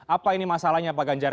apa ini masalahnya pak ganjar